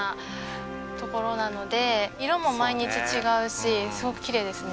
色も毎日違うしすごくきれいですね。